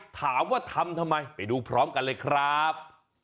ถามว่าทำทำไมไปดูพร้อมกันเลยครับ